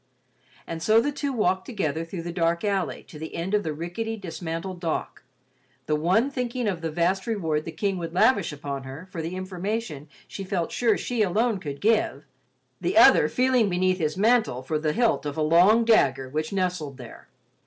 And so the two walked together through the dark alley to the end of the rickety, dismantled dock; the one thinking of the vast reward the King would lavish upon her for the information she felt sure she alone could give; the other feeling beneath his mantle for the hilt of a long dagger which nestled there.